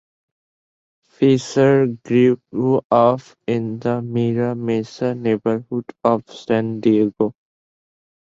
Fischer grew up in the Mira Mesa neighborhood of San Diego.